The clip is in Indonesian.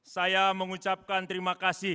saya mengucapkan terima kasih